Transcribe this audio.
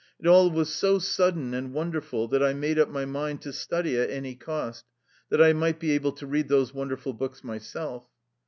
It all was so sudden and wonderful that I made up my mind to study at any cost, that I might be able to read those wonderful books myself.